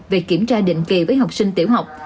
về kiểm tra định kỳ với học sinh tiểu học